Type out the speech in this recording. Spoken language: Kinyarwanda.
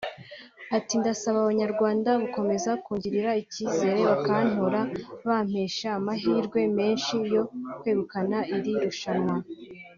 Ati “Ndasaba Abanyarwanda gukomeza kungirira icyizere bakantora bampesha amahirwe menshi yo kwegukana iri rushanwa